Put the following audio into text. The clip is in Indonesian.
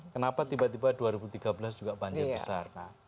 kenapa tiba tiba dua ribu tiga belas juga banjir besar